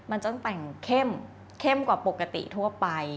มันจะต้องแต่งเข้มเข้มกว่าปกติทั่วไป